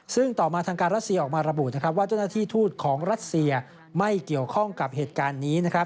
ซึ่งต่อมาทางการรัสเซียออกมาระบุว่าเจ้าหน้าที่ทูตของรัสเซียไม่เกี่ยวข้องกับเหตุการณ์นี้